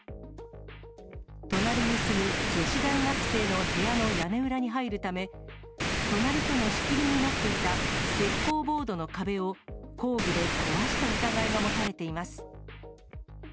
隣に住む女子大学生の部屋の屋根裏に入るため、隣との仕切りになっていた石こうボードの壁を工具で壊した疑いが持たれています。